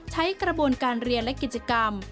ใช้กระบวนการเรียนและกิจกรรม